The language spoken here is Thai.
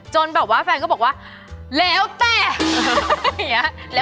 จนแบบว่าแฟนก็บอกว่าแล้วแต่